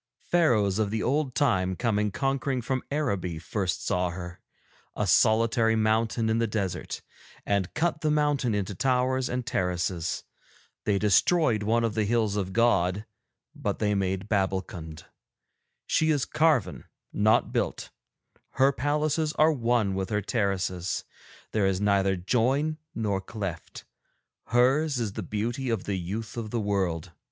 Pharaohs of the old time coming conquering from Araby first saw her, a solitary mountain in the desert, and cut the mountain into towers and terraces. They destroyed one of the hills of God, but they made Babbulkund. She is carven, not built; her palaces are one with her terraces, there is neither join nor cleft. Hers is the beauty of the youth of the world.